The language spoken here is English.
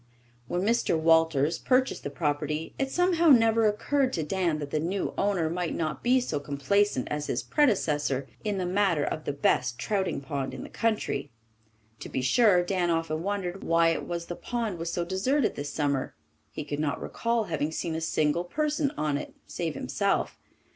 When Mr. Walters purchased the property it somehow never occurred to Dan that the new owner might not be so complaisant as his predecessor in the matter of the best trouting pond in the country. To be sure, Dan often wondered why it was the pond was so deserted this summer. He could not recall having seen a single person on it save himself.